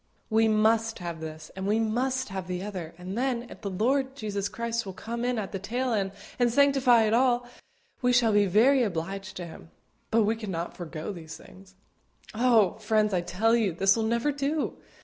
"We must have this, and we must have the other; and then, if the Lord Jesus Christ will come in at the tail end and sanctify it all, we shall be very much obliged to Him; but we cannot forego these things." Oh! friends, I tell you, this will never do.